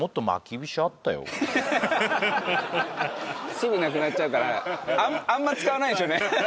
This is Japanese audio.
すぐなくなっちゃうからあんま使わないんでしょうね。